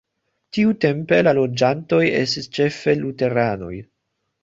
Tiutempe la loĝantoj estis ĉefe luteranoj.